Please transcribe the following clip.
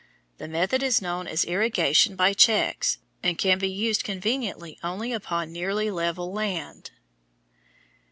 The method is known as irrigation by checks, and can be used conveniently only upon nearly level land.